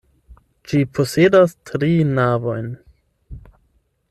Ĝi posedas tri navojn.